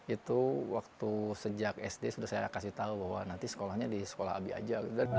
itu waktu sejak sd sudah saya kasih tahu bahwa nanti sekolahnya di sekolah abi aja